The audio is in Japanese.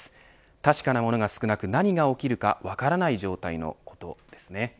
確かなものが少なく何が起きるか分からない状態のことですね。